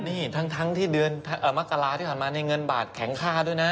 นี่ทั้งที่เดือนมกราที่ผ่านมาในเงินบาทแข็งค่าด้วยนะ